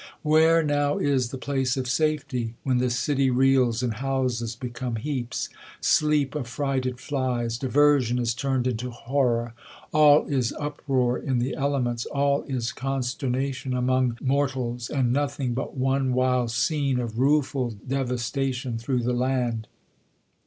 Where now is the place of safety ? when the city reels,, and houses become heaps ! Sleep affrighted flies. Diversion is turned into horror. Ail is uproar in the elements ; all is consternation among mortals ; and nothing but one wide scene of rueful devastation through the land.